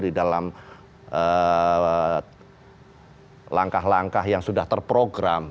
di dalam langkah langkah yang sudah terprogram